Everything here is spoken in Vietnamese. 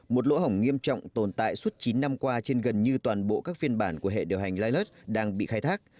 một lỗ hỏng nghiêm trọng tồn tại suốt chín năm qua trên gần như toàn bộ các phiên bản của hệ điều hành lidert đang bị khai thác